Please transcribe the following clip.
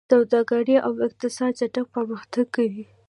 سوداګري او اقتصاد چټک پرمختګ کوي.